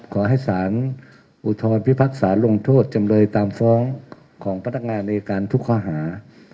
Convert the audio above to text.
ขอให้สารอุทธรพิพากษาลงโทษจำเลยตามฟ้องของพนักงานอายการทุกข้อหา